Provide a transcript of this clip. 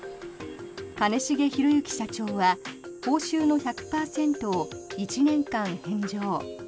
兼重宏行社長は報酬の１００％を１年間返上。